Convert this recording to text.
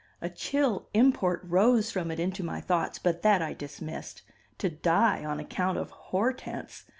A chill import rose from it into my thoughts, but that I dismissed. To die on account of Hortense!